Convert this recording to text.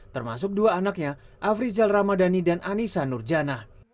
termasuk dua anaknya afrizal ramadhani dan anissa nurjana